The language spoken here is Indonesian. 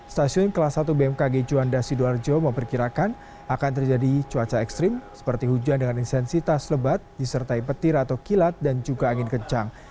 stasiun kelas satu bmkg juanda sidoarjo memperkirakan akan terjadi cuaca ekstrim seperti hujan dengan intensitas lebat disertai petir atau kilat dan juga angin kencang